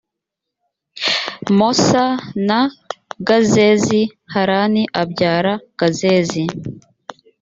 mosa na gazezi harani abyara gazezi